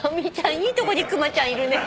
いいとこにクマちゃんいるね。